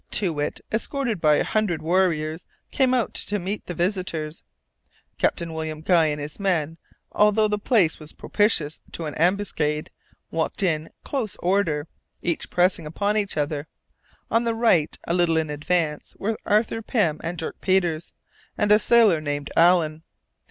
Too Wit, escorted by a hundred warriors, came out to meet the visitors. Captain William Guy and his men, although the place was propitious to an ambuscade, walked in close order, each pressing upon the other. On the right, a little in advance, were Arthur Pym, Dirk Peters, and a sailor named Allen.